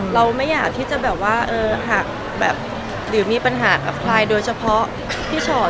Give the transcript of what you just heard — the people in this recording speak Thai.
เราไม่อยากที่จะแบบว่าหากแบบหรือมีปัญหากับใครโดยเฉพาะพี่ชอต